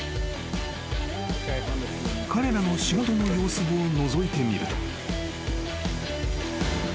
［彼らの仕事の様子をのぞいてみると］